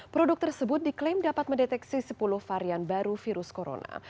produk tersebut diklaim dapat mendeteksi sepuluh varian baru virus corona